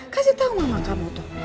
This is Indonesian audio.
kasih tau mama kamu tuh